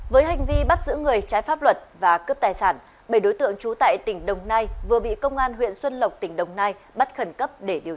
với hành vi bắt giữ người trái pháp luật và cướp tài sản bảy đối tượng trú tại tỉnh đồng nai vừa bị công an huyện xuân lộc tỉnh đồng nai bắt khẩn cấp để điều tra